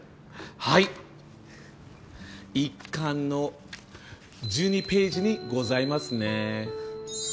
はい１巻の１２ページにございますね。